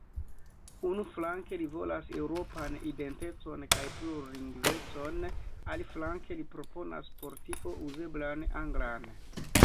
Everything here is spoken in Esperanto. Unuflanke, li volas eŭropan identecon kaj plurlingvecon, aliflanke li proponas por tio "uzeblan anglan".